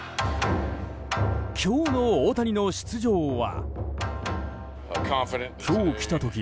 今日の大谷の出場は。